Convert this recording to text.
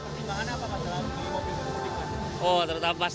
pertimbangan apa kalau memilih mobil berjenis mudik